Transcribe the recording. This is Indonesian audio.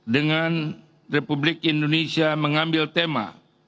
dengan republik indonesia mengambil tema